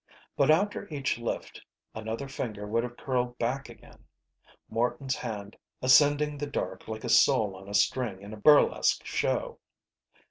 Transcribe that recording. But after each lift, another finger would have curled back again. Morton's hand, ascending the dark like a soul on a string in a burlesque show.